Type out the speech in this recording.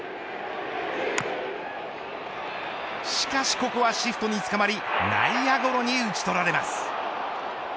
しかしここはシフトに捕まり内野ゴロに打ち取られます。